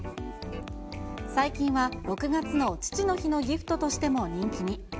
最近は、６月の父の日のギフトとしても人気に。